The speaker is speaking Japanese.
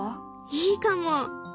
いいかも。